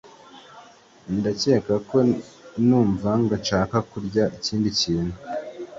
Ndakeka ko numvaga nshaka kurya ikindi kintu.